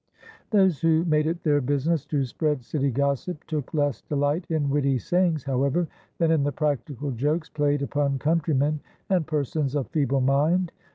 '" Those who made it their business to spread city gossip took less delight in witty sayings, however, than in the practical jokes played upon countrymen and persons of feeble mind.